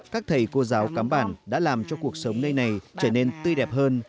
các thầy cô giáo cám bản đã làm cho cuộc sống nơi này trở nên tươi đẹp hơn